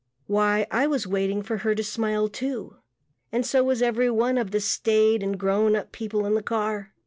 Why, I was waiting for her smile too and so was every one of the staid and grown up people in the car.